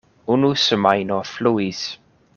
Unu semajno fluis.